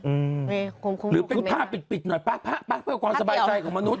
อืมหรือภาพรึกหน่อยปะได้กรณค์สบายใจของมนุษย์